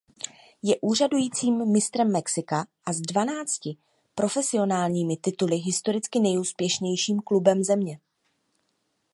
Je úřadujícím mistrem Mexika a s dvanácti profesionálními tituly historicky nejúspěšnějším klubem země.